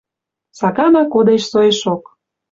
Сагана кодеш соэшок.